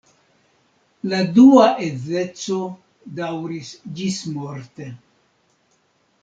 La dua edzeco daŭris ĝismorte.